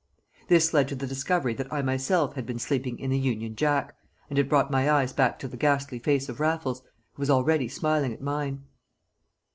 This led to the discovery that I myself had been sleeping in the Union Jack, and it brought my eyes back to the ghastly face of Raffles, who was already smiling at mine.